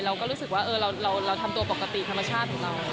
เราก็รู้สึกว่าเราทำตัวปกติธรรมชาติของเรา